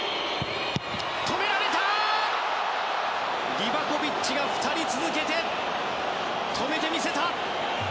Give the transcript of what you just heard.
リバコビッチが２人続けて止めてみせた！